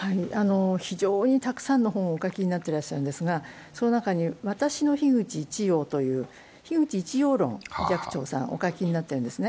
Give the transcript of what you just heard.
非常にたくさんの本をお書きになってらっしゃるんですがその中に「私の樋口一葉」という樋口一葉論を寂聴さんはお書きになっているんですね。